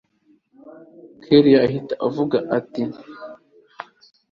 kellia ahita avuga ati